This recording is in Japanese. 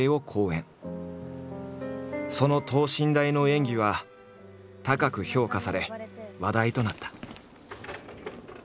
その等身大の演技は高く評価され話題となった。